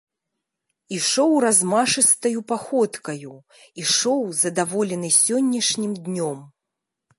Ішоў размашыстаю паходкаю, ішоў, здаволены сённяшнім днём.